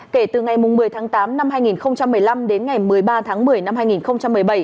kể từ ngày một mươi tháng tám năm hai nghìn một mươi năm đến ngày một mươi ba tháng một mươi năm hai nghìn một mươi bảy